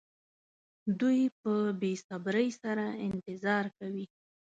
دوی په بې صبرۍ سره انتظار کوي.